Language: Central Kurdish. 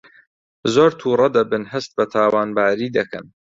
زۆر تووڕە دەبن هەست بە تاوانباری دەکەن